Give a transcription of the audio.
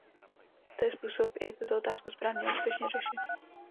To je způsob, jak tuto otázku správně a úspěšně řešit.